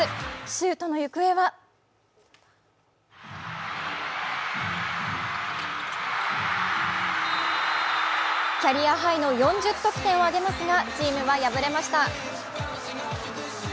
シュートの行方はキャリアハイの４０得点を挙げますがチームは敗れました。